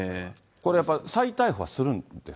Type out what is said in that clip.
これやっぱり再逮捕はするんですか。